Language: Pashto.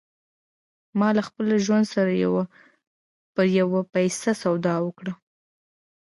ما له خپل ژوند سره پر یوه پیسه سودا وکړه